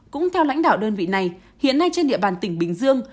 cũng theo lãnh đạo đơn vị này hiện nay trên địa bàn tỉnh bình dương